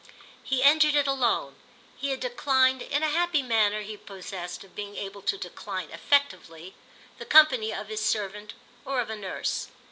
He entered it alone; he had declined, in a happy manner he possessed of being able to decline effectively, the company of his servant or of a nurse.